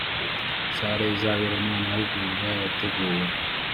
sale izaberamo amahugurwa yateguwe